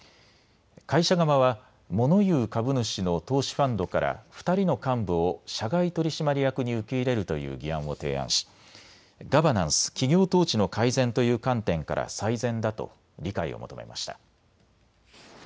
会社側はモノ言う株主の投資ファンドから２人の幹部を社外取締役に受け入れるという議案を提案しガバナンス・企業統治の改善という観点から最善だと理解を求めました。